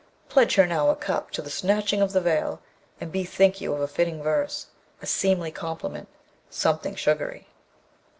Pledge her now a cup to the snatching of the veil, and bethink you of a fitting verse, a seemly compliment, something sugary.'